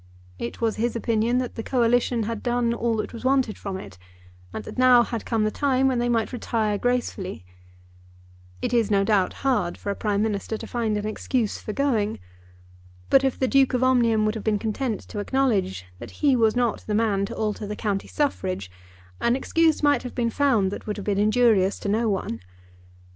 It was his opinion that the Coalition had done all that was wanted from it, and that now had come the time when they might retire gracefully. It is, no doubt, hard for a Prime Minister to find an excuse for going. But if the Duke of Omnium would have been content to acknowledge that he was not the man to alter the County Suffrage, an excuse might have been found that would have been injurious to no one.